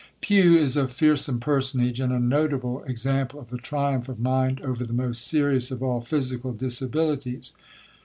Pew is a fearsome personage, and a notable example of the triumph of mind over the most serious of all physical disabilities.